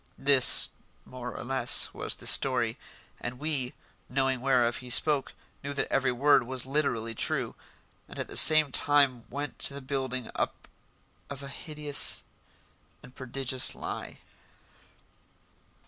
This, more or less, was the story, and we, knowing whereof he spoke, knew that every word was literally true, and at the same time went to the building up of a hideous and prodigious lie.